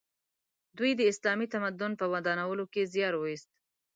دوی د اسلامي تمدن په ودانولو کې زیار وایست.